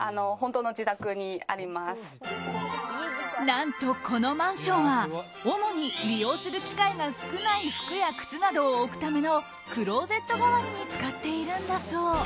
何と、このマンションは主に利用する機会が少ない服や靴などを置くためのクローゼット代わりに使っているんだそう。